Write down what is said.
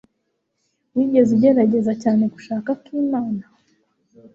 Wigeze ugerageza cyane gushaka akimana?